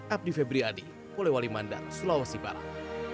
abdi febriadi polewali mandar sulawesi parang